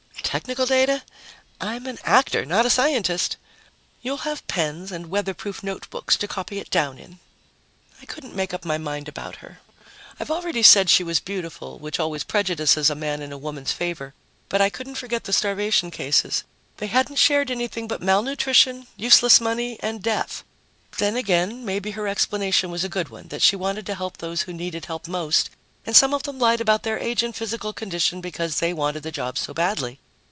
"Technical data? I'm an actor, not a scientist." "You'll have pens and weatherproof notebooks to copy it down in." I couldn't make up my mind about her. I've already said she was beautiful, which always prejudices a man in a woman's favor, but I couldn't forget the starvation cases. They hadn't shared anything but malnutrition, useless money and death. Then again, maybe her explanation was a good one, that she wanted to help those who needed help most and some of them lied about their age and physical condition because they wanted the jobs so badly.